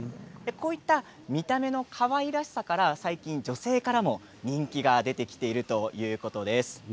見た目のかわいらしさから最近は女性からも人気が出てきているということです。